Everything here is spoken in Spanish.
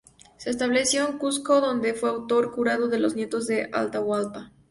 Se estableció en Cuzco, donde fue tutor y curador de los nietos de Atahualpa.